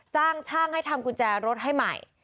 จ้างช่างให้ทำกุญแจรถให้ใหม่